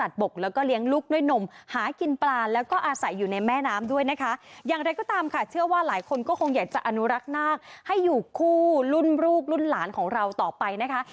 อย่างไรก็ตามค่ะเชื่อว่าหลายคนก็คงอยากจะอนุรักษ์นาคให้อยู่คู่รุ่นลูกรุ่นหลานของเราต่อไปนะคะ